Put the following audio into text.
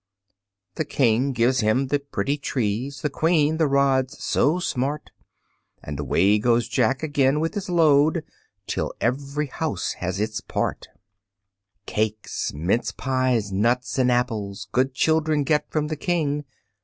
The King gives him the pretty trees, The Queen the rods so smart, And away goes Jack again with his load, Till every house has its part. Cakes, mince pies nuts and apples, Good children get from the King.